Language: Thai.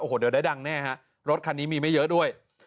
โอ้โหเดี๋ยวได้ดังแน่ฮะรถคันนี้มีไม่เยอะด้วย